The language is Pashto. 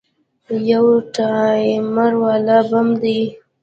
يو ټايمر والا بم دى.